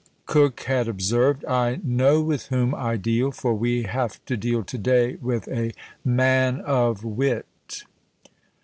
Coke had observed, "I know with whom I deal; for we have to deal to day with a MAN OF WIT."